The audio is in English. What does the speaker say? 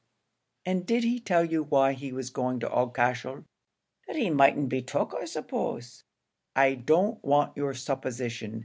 "And did he tell you why he was going to Aughacashel?" "That he mightn't be tuk, I s'pose." "I don't want your supposition.